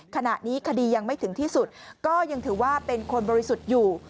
คดียังไม่ถึงที่สุดก็ยังถือว่าเป็นคนบริสุทธิ์อยู่